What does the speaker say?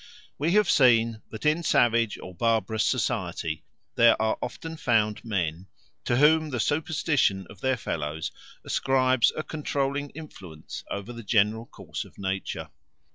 We have seen that in savage or barbarous society there are often found men to whom the superstition of their fellows ascribes a controlling influence over the general course of nature.